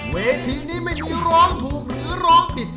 เวทีนี้ไม่มีร้องถูกหรือร้องผิด